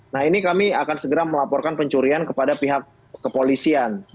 nah ini kami akan segera melaporkan pencurian kepada pihak kepolisian